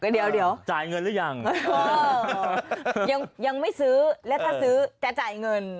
เดี๋ยวจ่ายเงินหรือยังยังไม่ซื้อและถ้าซื้อจะจ่ายเงิน